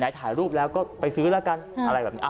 ถ่ายรูปแล้วก็ไปซื้อแล้วกันอะไรแบบนี้